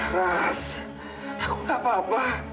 ras kok gak apa apa